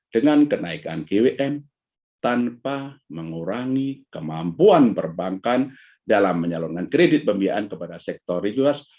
dengan kenaikan gwm tanpa mengurangi kemampuan perbankan dalam menyalurkan kredit pembiayaan kepada sektor regulers